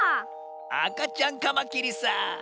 あかちゃんカマキリさ。